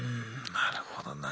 なるほどな。